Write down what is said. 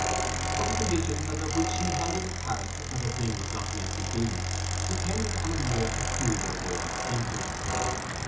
But the conditions under which she held it apparent that a thing was not meant to be, depended on a more peculiar mode of thinking.